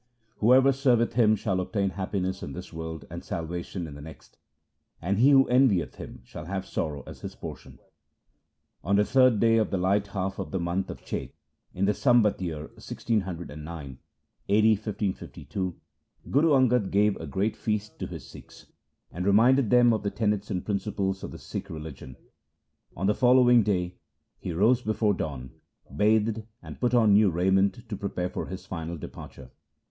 ' Whoever serveth him shall obtain happiness in this world and salvation in the next, and he who envieth him shall have sorrow as his portion.' On the third day of the light half of the month of Chet in the Sambat year 1609 (a.d. 1552), Guru Angad gave a great feast to his Sikhs, and reminded them of the tenets and principles of the Sikh religion. On the following day he rose before dawn, bathed, and put on new raiment to prepare for his final departure.